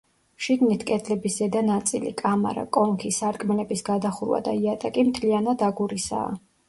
შიგნით კედლების ზედა ნაწილი, კამარა, კონქი, სარკმელების გადახურვა და იატაკი მთლიანად აგურისაა.